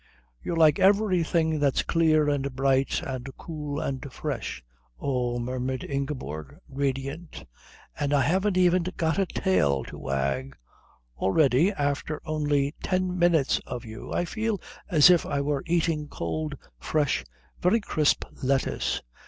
"You're like everything that's clear and bright and cool and fresh." "Oh," murmured Ingeborg, radiant, "and I haven't even got a tail to wag!" "Already, after only ten minutes of you, I feel as if I were eating cold, fresh, very crisp lettuce."